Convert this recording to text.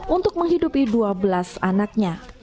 untuk menghidupi dua belas anaknya